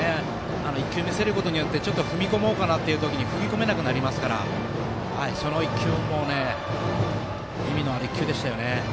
１球見せることによって踏み込もうかなという時に踏み込めなくなりますから意味のある１球でした。